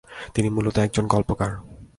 তিনি মুলত একজন গল্পকার।